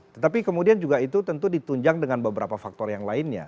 tetapi kemudian juga itu tentu ditunjang dengan beberapa faktor yang lainnya